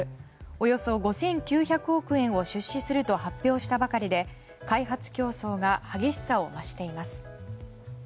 およそ５９００億円を出資すると発表したばかりで開発競争が激しさを増しています。